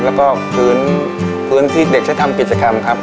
แล้วก็พื้นที่เด็กใช้ทำกิจกรรมครับ